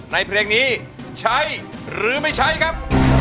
เพลงนี้ใช้หรือไม่ใช้ครับ